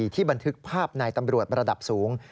บันทึกภาพนายตำรวจระดับสูง